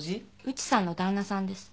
内さんの旦那さんです。